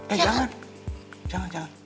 eh jangan jangan